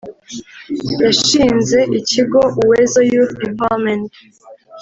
yashinze ikigo Uwezo Youth Empowerment